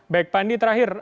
baik pak andi terakhir